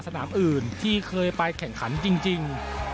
สนามอื่นที่เคยไปแข่งขันจริง